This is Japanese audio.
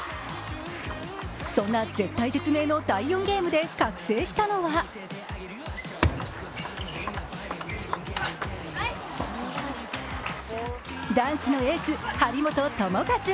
そんな絶体絶命の第４ゲームで覚醒したのは男子のエース、張本智和。